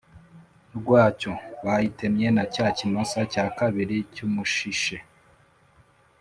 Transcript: Rwacyo bayitemye na cya kimasa cya kabiri cy umushishe